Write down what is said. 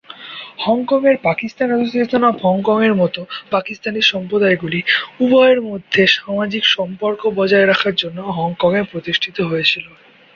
হংকংয়ের Pakistan association of হংকং-এর মতো পাকিস্তানি সম্প্রদায়গুলি উভয়ের মধ্যে সামাজিক সম্পর্ক বজায় রাখার জন্য হংকংয়ে প্রতিষ্ঠিত হয়েছিল।